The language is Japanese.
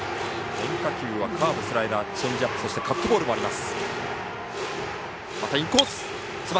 変化球はカーブスライダー、チェンジアップカットボールもあります。